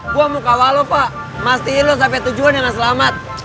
gue mau kawalo pak mastiin lo sampai tujuan yang selamat